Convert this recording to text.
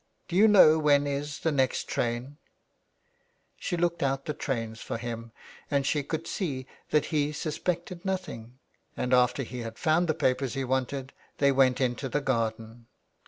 " Do you know when is the next train ?" She looked out the trains for him, and she could see that he suspected nothing, and after he had found the papers he wanted they went into the garden.